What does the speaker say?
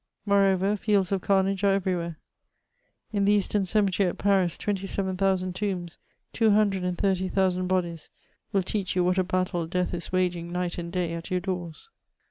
Moreover, fields of carnage are everywhere ; in the eastern cemetery at Paris twenty seven thousand tombs, two hundred and thirty thousand bodies, will teach you what a battle death is waging night and day at your doors.